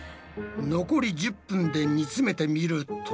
残り１０分で煮詰めてみると。